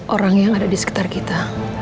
orang yang ada di sekitar kita